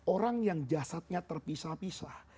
orang yang jasadnya terpisah pisah